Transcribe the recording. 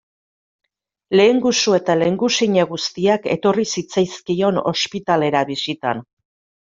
Lehengusu eta lehengusina guztiak etorri zitzaizkion ospitalera bisitan.